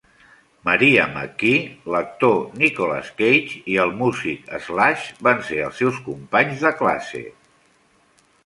Maria McKee, l'actor Nicolas Cage i el músic Slash van ser els seus companys de classe.